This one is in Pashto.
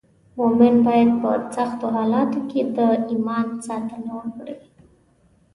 مومن باید په سختو حالاتو کې د ایمان ساتنه وکړي.